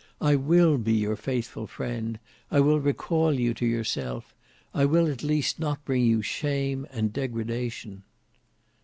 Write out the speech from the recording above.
I will be your faithful friend; I will recall you to yourself. I will at least not bring you shame and degradation."